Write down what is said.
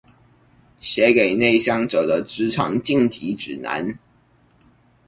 寫給內向者的職場進擊指南